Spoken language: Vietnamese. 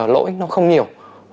lỗi nó không nhiều